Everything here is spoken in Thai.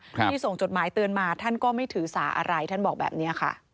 ที่ส่งจดหมายเตือนมาท่านก็ไม่ถือสาอะไรท่านบอกแบบนี้ค่ะ